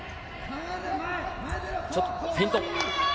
ちょっとフェイント。